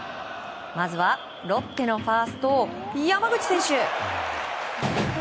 まずは、ロッテのファースト山口選手。